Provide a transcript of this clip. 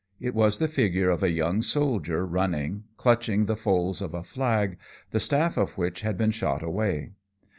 It was the figure of a young soldier running, clutching the folds of a flag, the staff of which had been shot away.